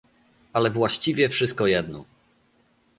"Ale właściwie wszystko jedno."